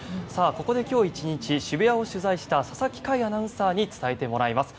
ここで今日１日渋谷を取材した佐々木快アナウンサーに伝えてもらいます。